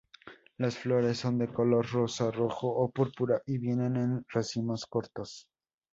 Las flores son de color rosa, rojo o púrpura, y vienen en racimos cortos.